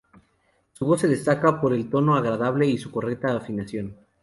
Su voz se destacaba por el tono agradable y su correcta afinación.